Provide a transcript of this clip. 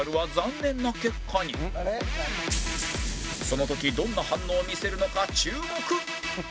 その時どんな反応を見せるのか注目